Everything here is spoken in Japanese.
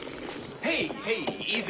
はい。